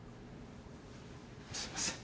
すいません。